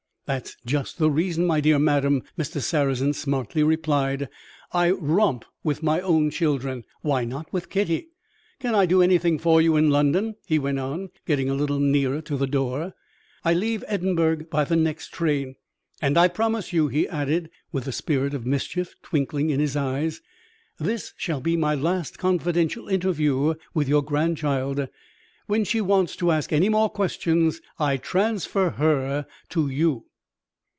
"That's just the reason, my dear madam," Mr. Sarrazin smartly replied. "I romp with my own children why not with Kitty? Can I do anything for you in London?" he went on, getting a little nearer to the door; "I leave Edinburgh by the next train. And I promise you," he added, with the spirit of mischief twinkling in his eyes, "this shall be my last confidential interview with your grandchild. When she wants to ask any more questions, I transfer her to you."